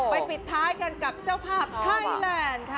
ปิดท้ายกันกับเจ้าภาพไทยแลนด์ค่ะ